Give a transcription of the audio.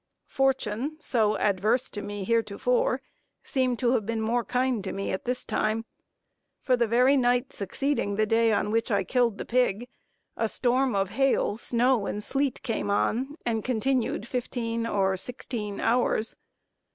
Fortune, so adverse to me heretofore, seemed to have been more kind to me at this time, for the very night succeeding the day on which I killed the pig, a storm of hail, snow, and sleet, came on, and continued fifteen or sixteen hours.